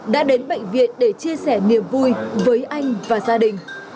đã đến bệnh viện để chia sẻ niềm vui với anh và gia đình